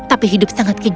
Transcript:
tapi hidup sangat kerasnya